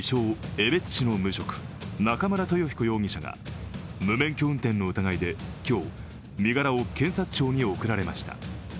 ・江別市の無職、中村豊彦容疑者が無免許運転の疑いで今日、身柄を検察庁に送られました。